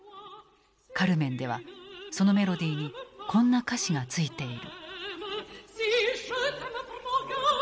「カルメン」ではそのメロディーにこんな歌詞がついている。